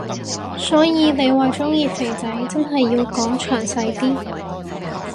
所以你話鍾意肥仔真係要講詳細啲